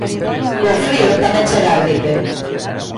Co frío tamén chega a gripe.